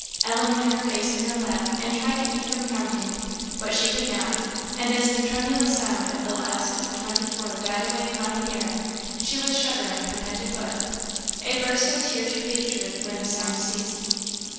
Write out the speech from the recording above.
Ellen hid her face in her lap, and tried to keep from counting, but she could not; and as the tremulous sound of the last of the twenty four died away upon the air, she was shuddering from head to foot. A burst of tears relieved her when the sound ceased.